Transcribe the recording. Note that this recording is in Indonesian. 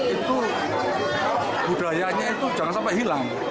itu budayanya itu jangan sampai hilang